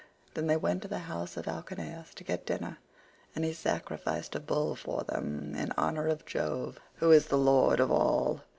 Then they went to the house of Alcinous to get dinner, and he sacrificed a bull for them in honour of Jove who is the lord of all.